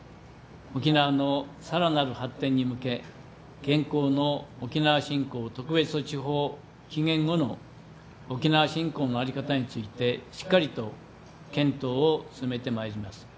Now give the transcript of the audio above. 沖縄のさらなる発展に向け現行の沖縄振興特別措置法期限後の沖縄振興の在り方についてしっかりと検討を進めてまいります。